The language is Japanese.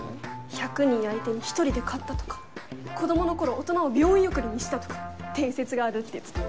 １００人相手に１人で勝ったとか子供の頃大人を病院送りにしたとか伝説があるって言ってた。